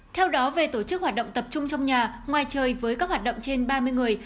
theo đó về tổ chức hoạt động tập trung trong nhà ngoài trời với các hoạt động trên ba mươi người